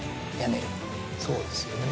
そうですよね。